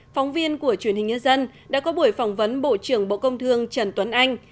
phóng viên của truyền hình nhân dân đã có buổi phỏng vấn bộ trưởng bộ công thương trần tuấn anh